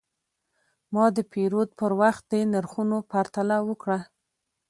ما د پیرود پر وخت د نرخونو پرتله وکړه.